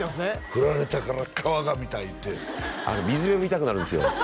「フラれたから川が見たい」って水辺を見たくなるんですよ